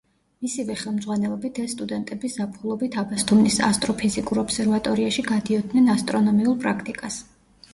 მისივე ხელმძღვანელობით ეს სტუდენტები ზაფხულობით აბასთუმნის ასტროფიზიკურ ობსერვატორიაში გადიოდნენ ასტრონომიულ პრაქტიკას.